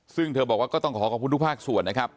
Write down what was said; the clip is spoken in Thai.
ซึ่งเธอบอกว่าก็ต้องขอขอบคุณทุกภาคส่วนนะครับ